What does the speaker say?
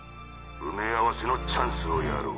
埋め合わせのチャンスをやろう。